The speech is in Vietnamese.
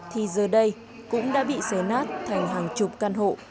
thì giờ đây cũng đã bị xé nát thành hàng chục căn hộ